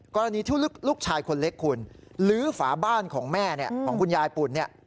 กรณีที่ลูกชายคนเล็กคุณลื้อฝาบ้านของแม่เนี่ยของคุณยายปุ่นเนี่ย